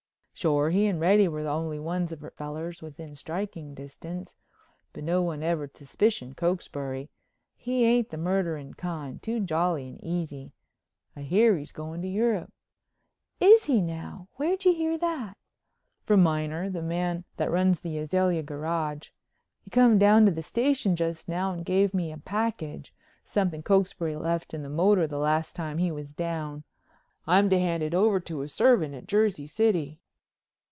"Sure. He and Reddy were the only ones of her fellers within striking distance. But no one ever'd suspicion Cokesbury. He ain't the murderin' kind, too jolly and easy. I hear he's goin' to Europe." "Is he now? Where'd you hear that?" "From Miner, that runs the Azalea Garage. He come down to the station just now and gave me a package. Something Cokesbury left in the motor the last time he was down. I'm to hand it over to his servant at Jersey City."